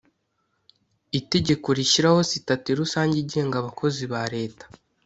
Itegeko rishyiraho sitati rusange igenga Abakozi ba Leta